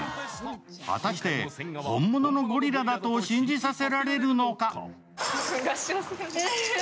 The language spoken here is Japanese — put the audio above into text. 果たして本物のゴリラだと信じさせられるのか。